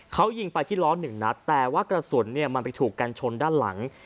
เขายิงไปที่ล้อหนึ่งนัดแต่ว่ากระสุนเนี่ยมันไปถูกกันชนด้านหลัง